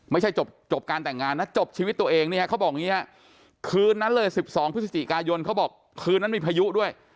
ไม่ใช่จบการแต่งงานนะจบชีวิตตัวเองเนี่ยเขาบอกอย่างนี้ฮะคืนนั้นเลย๑๒พฤศจิกายนเขาบอกคืนนั้นมีพายุด้วย